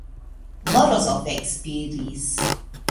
Morozov ekspiris.